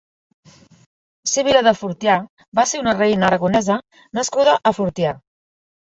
Sibil·la de Fortià va ser una reina aragonesa nascuda a Fortià.